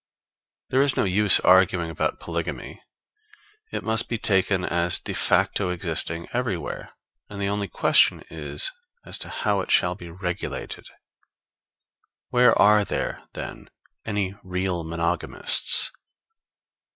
There is no use arguing about polygamy; it must be taken as de facto existing everywhere, and the only question is as to how it shall be regulated. Where are there, then, any real monogamists?